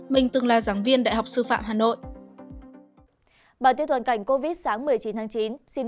mình từng là giảng viên đại học sư phạm hà nội